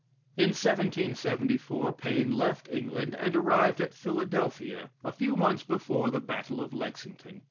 In 1774 Paine left England, and arrived at Philadelphia a few months before the battle of Lexington.